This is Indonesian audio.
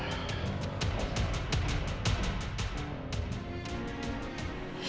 semoga mas surya tidak menemukan karin